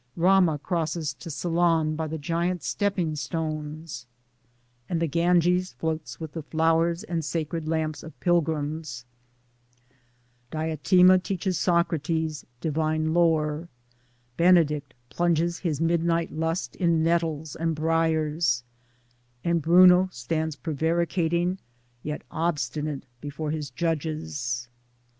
Rama crosses to Ceylon by the giant stepping stones ; and the Ganges floats with the flowers and sacred lamps of pilgrims ; Diotima teaches Socrates divine lore ; Benedict plunges his midnight lust in nettles and briars ; and Bruno stands prevaricating yet obstinate before his judges.